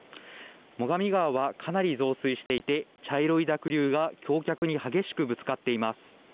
最上川はかなり増水していて茶色い濁流が橋脚に激しくぶつかっています。